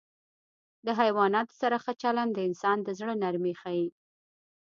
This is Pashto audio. له حیواناتو سره ښه چلند د انسان د زړه نرمي ښيي.